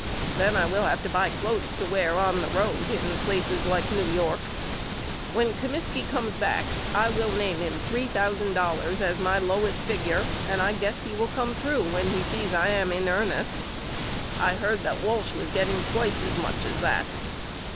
Then I will have to buy cloths to wear on the road in places like New York. When Comiskey comes back I will A BUSHER'S LETTERS HOME 13 name him three thousand dollars as my lowest figure and I guess he will come through when he sees I am in ernest. I heard that Walsh was get ting twice as much as that.